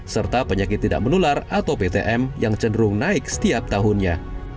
serta penyakit tidak menular atau ptm yang cenderung naik setiap tahunnya